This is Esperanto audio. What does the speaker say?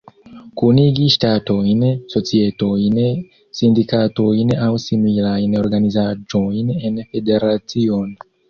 Kunigi ŝtatojn, societojn, sindikatojn aŭ similajn organizaĵojn en federacion.